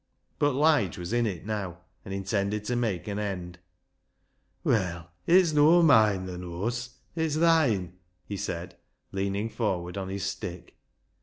But Lige was in it now, and intended to make an end. " Well, it's no' moine, thaa knows ; it's thoine," he said, leaning forward on his stick.